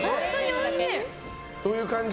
どういう感じ？